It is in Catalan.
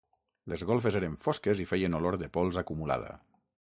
Les golfes eren fosques i feien olor de pols acumulada.